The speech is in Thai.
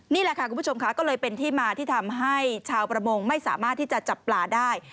นี่แหละค่ะคุณผู้ชมค่ะก็เลยเป็นที่มาที่ทำให้ชาวประมงไม่สามารถที่จะจับปลาได้